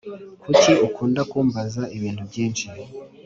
Kucyi ukunda kumbaza ibintu byinshi